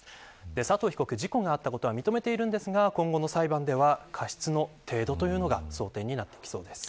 佐藤被告、事故があったことは認めているんですが今後の裁判では過失の程度が争点になってきそうです。